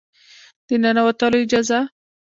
د ننوتلو اجازه